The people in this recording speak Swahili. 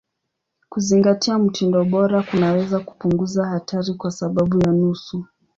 Kuzingatia mtindo bora kunaweza kupunguza hatari kwa zaidi ya nusu.